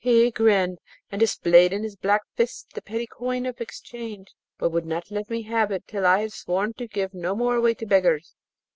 He grinned, and displayed in his black fist a petty coin of exchange, but would not let me have it till I had sworn to give no more away to beggars.